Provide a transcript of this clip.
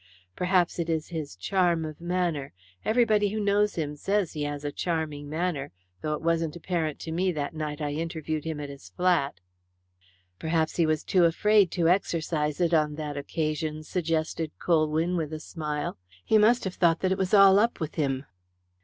Perhaps it is his charm of manner everybody who knows him says he has a charming manner, though it wasn't apparent to me that night I interviewed him at his flat." "Perhaps he was too afraid to exercise it on that occasion," suggested Colwyn, with a smile. "He must have thought that it was all up with him."